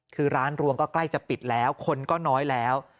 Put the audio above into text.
คือร้านรวงก็ใกล้จะปิดแล้วคนก็น้อยแล้ว